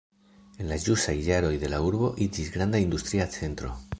En la ĵusaj jaroj la urbo iĝis granda industria centro.